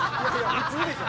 普通でしょ！